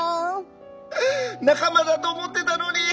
仲間だと思ってたのに。